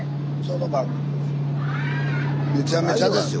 スタジオめちゃめちゃですよ